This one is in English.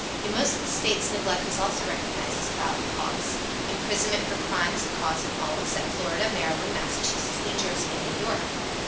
In most of the States neglect is also recognized as a valid cause. Imprisonment for crime is a cause in all except Florida, Maryland, Massachusetts, New Jersey and New York.